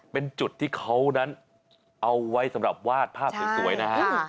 เป็นจุดที่เขานั้นเอาไว้สำหรับวาดภาพสวยนะฮะ